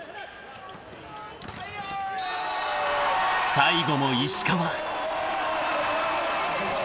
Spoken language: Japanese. ［最後も石川］